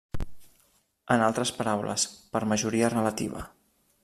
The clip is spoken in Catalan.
En altres paraules, per majoria relativa.